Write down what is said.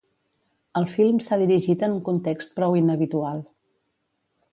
El film s'ha dirigit en un context prou inhabitual.